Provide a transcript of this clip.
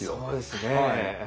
そうですね。